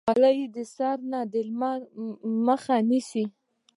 خولۍ د سر نه د لمر مخه نیسي.